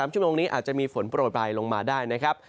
ชั่วโมงนี้อาจจะมีฝนโปรดปลายลงมาได้นะครับ